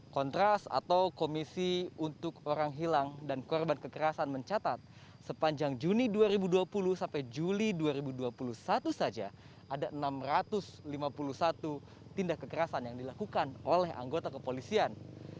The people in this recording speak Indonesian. kontras atau komisi untuk orang hilang dan korban kekerasan mencatat sepanjang juni dua ribu dua puluh sampai juli dua ribu dua puluh satu saja ada enam ratus lima puluh satu tindak kekerasan yang dilakukan oleh anggota kepolisian